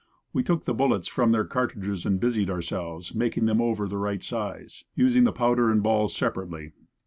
We took the bullets from the cartridges and busied ourselves, making them over the right size, using the powder and balls separately.